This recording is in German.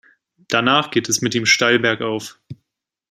Danach geht es mit ihm steil bergauf.